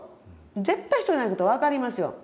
絶対一人じゃないこと分かりますよ。